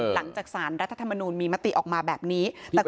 หลังจากสารรัฐธรรมนูลมีมติออกมาแบบนี้